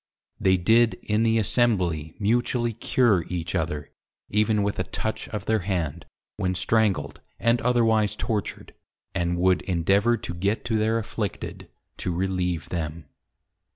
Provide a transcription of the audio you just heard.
They did in the Assembly mutually Cure each other, even with a Touch of their Hand, when Strangled, and otherwise Tortured; and would endeavour to get to their Afflicted, to relieve them.